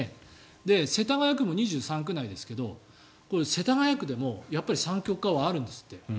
世田谷区も２３区内ですが世田谷区でもやっぱり三極化はあるんですって。